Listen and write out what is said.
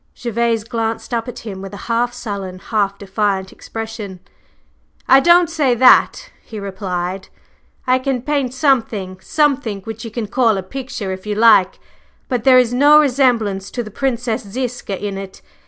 Gervase glanced up at him with a half sullen, half defiant expression. "I don't say that," he replied; "I can paint something something which you can call a picture if you like, but there is no resemblance to the Princess Ziska in it.